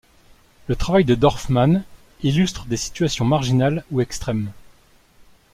Le travail de Dorfman illustre des situations marginales ou extrêmes.